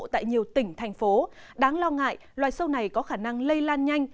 tại nhiều tỉnh thành phố đáng lo ngại loài sâu này có khả năng lây lan nhanh